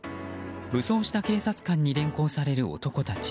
武装した警察官に連行される男たち。